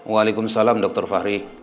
waalaikumsalam dokter fahri